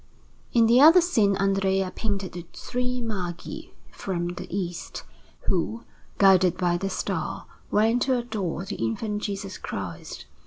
In the other scene Andrea painted the three Magi from the East, who, guided by the Star, went to adore the Infant Jesus Christ.